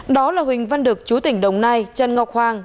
đó là huỳnh văn đực chú tỉnh đồng nai trần ngọc hoàng